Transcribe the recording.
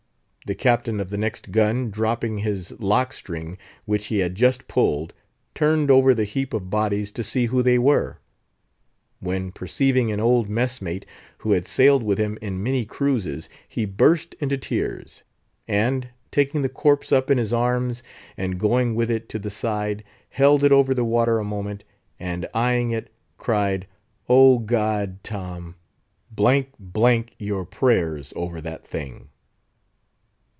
The captain of the next gun, dropping his lock string, which he had just pulled, turned over the heap of bodies to see who they were; when, perceiving an old messmate, who had sailed with him in many cruises, he burst into tears, and, taking the corpse up in his arms, and going with it to the side, held it over the water a moment, and eying it, cried, "Oh God! Tom!"—"D——n your prayers over that thing!